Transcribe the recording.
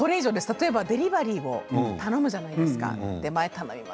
デリバリー頼むじゃないですか。